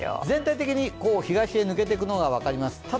全体的に東へ抜けていくのが分かります。